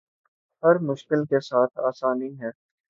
ہر مشکل کے ساتھ آسانی ہے